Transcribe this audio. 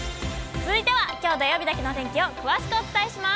続いては、きょう土曜日だけのお天気を詳しくお伝えします。